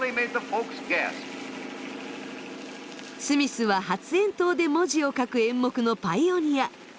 スミスは発煙筒で文字を描く演目のパイオニア。